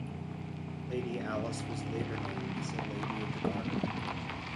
Lady Alice was later named as a Lady of the Garter.